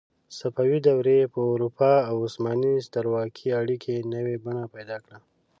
صفوي دورې په اروپا او عثماني سترواکۍ اړیکې نوې بڼه پیدا کړه.